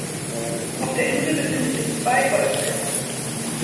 Auf der Insel befinden sich zwei Golfplätze.